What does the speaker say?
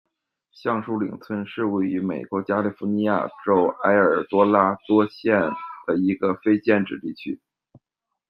橡树岭村是位于美国加利福尼亚州埃尔多拉多县的一个非建制地区。